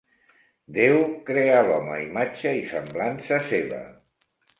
Déu creà l'home a imatge i semblança seva.